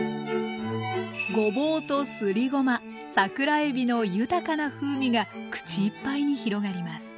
ごぼうとすりごま桜えびの豊かな風味が口いっぱいに広がります。